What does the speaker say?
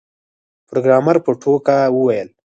پروګرامر په ټوکه وویل